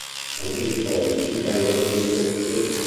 Antichi codici vengono distrutti.